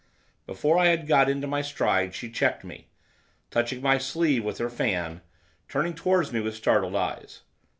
Before I had got into my stride she checked me, touching my sleeve with her fan, turning towards me with startled eyes.